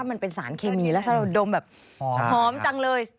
มันเป็นสารเคมีแล้วถ้าเราดมแบบหอมจังเลย